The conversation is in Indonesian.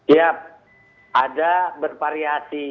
ya ada bervariasi